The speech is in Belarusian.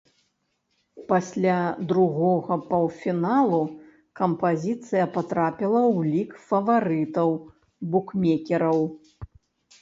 Пасля другога паўфіналу кампазіцыя патрапіла ў лік фаварытаў букмекераў.